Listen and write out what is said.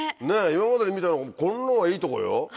今まで見たのこういうのがいいとこよ？